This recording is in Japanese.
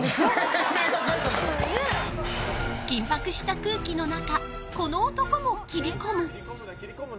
緊迫した空気の中この男も切り込む。